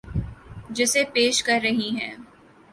جسے پیش کر رہی ہیں